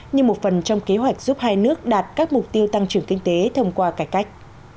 như một phần trong kế hoạch giúp hai nước đạt các mục tiêu tăng trưởng kinh tế thông qua cải cách